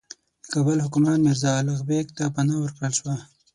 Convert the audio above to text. د کابل حکمران میرزا الغ بېګ ته پناه ورکړل شوه.